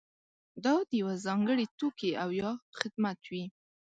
دا د یوه ځانګړي توکي او یا خدمت وي.